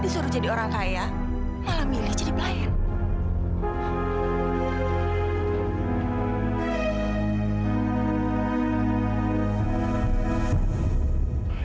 disuruh jadi orang kaya malah milih jadi pelayan